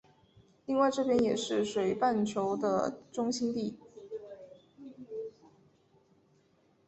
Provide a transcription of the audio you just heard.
另外这边也是水半球的中心地。